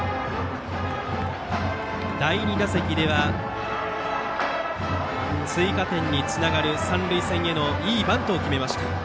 第２打席では追加点につながる三塁線へのいいバントを決めました。